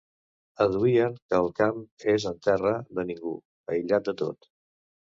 Adduïen que el camp és en terra de ningú; aïllat de tot.